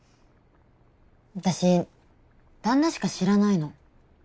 私旦那しか知らないの。